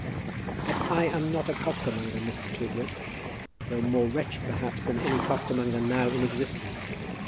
"But I am not a costermonger, Mr. Toogood, though more wretched perhaps than any costermonger now in existence.